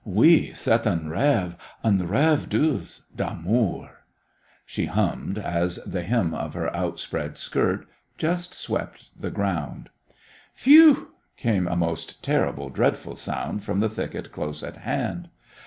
"Oui, c'est un rêve, un rêve doux d'amour," she hummed, as the hem of her outspread skirt just swept the ground. "Phew!" came a most terrible, dreadful sound from the thicket close at hand.